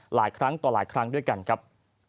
หลายครั้งต่อหลายครั้งด้วยกันครับ